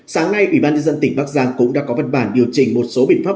sáng nay ủy ban nhân dân tỉnh bắc giang cũng đã có văn bản điều chỉnh một số biện pháp